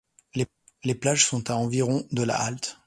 Les plages sont à environ de la halte.